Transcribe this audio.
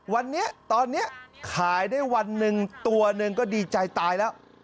วันนี้ตอนนี้ขายได้วันหนึ่งตัวหนึ่งก็ดีใจตายแล้ว